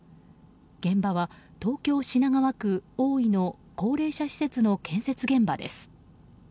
現場は東京・品川区大井の高齢者施設の建設現場です。